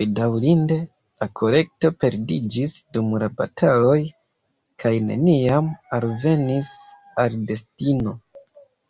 Bedaŭrinde, la kolekto perdiĝis dum la bataloj kaj neniam alvenis al destino.